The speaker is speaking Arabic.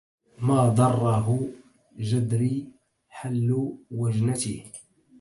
ما ضره جدري حل وجنته